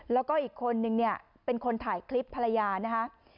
แล้วก็อีกคนนึงเนี่ยเป็นคนถ่ายคลิปภรรยานะคะ